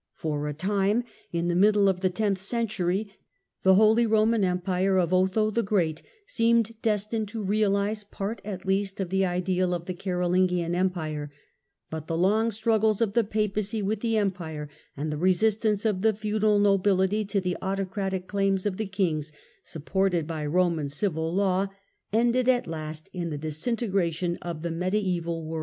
For a time, in the middle of the 6 THE DAWN OF MEDIEVAL EUROPE tenth century, the Holy Roman Empire of Otho the Great seemed destined to realise part at least of the ideal of the Carolingian Empire, but the long struggles of the Papacy with the Empire, and the resistance of the feudal nobility to the autocratic claims of the kings, supported by Roman civil law, ended at last in the dis integration of the mediaeval world.